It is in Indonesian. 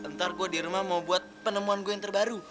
ntar gue di rumah mau buat penemuan gue yang terbaru